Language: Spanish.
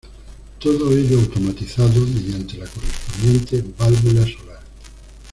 Todo ello automatizado mediante la correspondiente válvula solar.